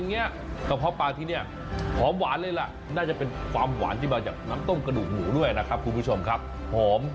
อีกครั้งเพราะถ้าพิเศษเยอะก็เป็น๖๐บาท